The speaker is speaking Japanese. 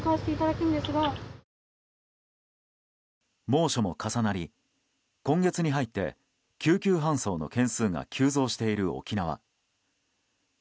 猛暑も重なり今月に入って救急搬送の件数が急増している沖縄。